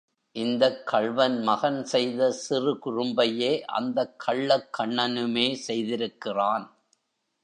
இந்தக் கள்வன் மகன் செய்த சிறு குறும்பையே அந்தக் கள்ளக் கண்ணனுமே செய்திருக்கிறான்.